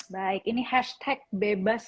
baik ini hashtag bebas